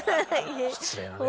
失礼なね。